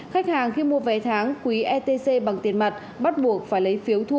khách hàng khi mua vé tháng quý etc bằng tiền mặt bắt buộc phải lấy phiếu thu